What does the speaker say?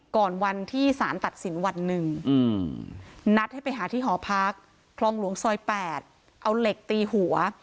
ก่อนวันที่สารตัดสินวันหนึ่งนัดให้ไปหาที่หอพักคลองหลวงซอย๘เอาเหล็กตีหัว